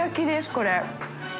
これ。